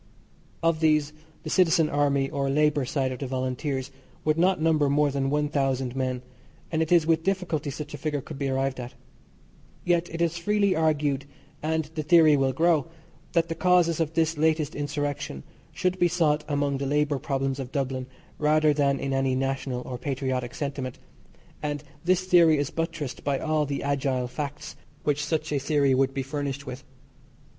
Of these, the Citizen Army or Labour side of the Volunteers, would not number more than one thousand men, and it is with difficulty such a figure could be arrived at. Yet it is freely argued, and the theory will grow, that the causes of this latest insurrection should be sought among the labour problems of Dublin rather than in any national or patriotic sentiment, and this theory is buttressed by all the agile facts which such a theory would be furnished with.